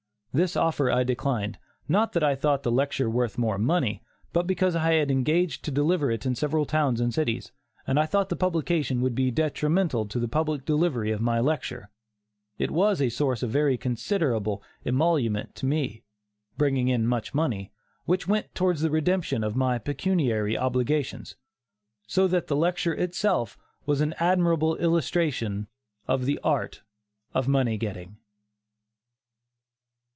This offer I declined, not that I thought the lecture worth more money, but because I had engaged to deliver it in several towns and cities, and I thought the publication would be detrimental to the public delivery of my lecture. It was a source of very considerable emolument to me, bringing in much money, which went towards the redemption of my pecuniary obligations, so that the lecture itself was an admirable illustration of "The Art of Money Getting."